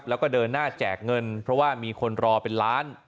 แล้วก็เดินหน้าแจกเงินเพราะว่ามีคนรอเป็นล้าน